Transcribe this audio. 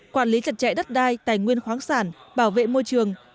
quản lý chặt chẽ đất đai tài nguyên khoáng sản bảo vệ môi trường